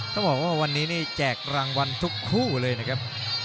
ต้องบอกว่าวันนี้นี่แจกรางวัลทุกคู่เลยนะครับ